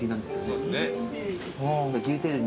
そうですね。